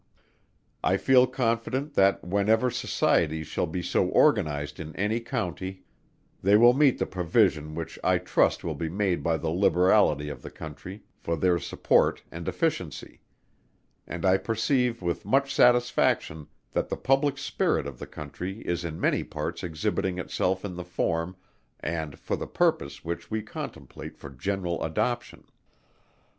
I feel confident, that whenever Societies shall be so organized in any County, they will meet the provision which I trust will be made by the liberality of the Country for their support and efficiency: and I perceive with much satisfaction that the public spirit of the Country is in many parts exhibiting itself in the form, and for the purpose which we contemplate for general adoption.